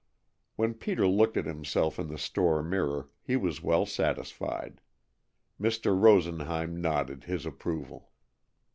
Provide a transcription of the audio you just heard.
When Peter looked at himself in the store mirror he was well satisfied. Mr. Rosenheim nodded his approval.